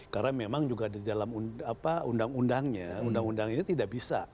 karena memang juga di dalam undang undangnya undang undang ini tidak bisa